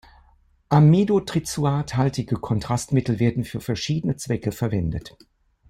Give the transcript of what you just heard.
Amidotrizoat-haltige Kontrastmittel werden für verschiedene Zwecke verwendet.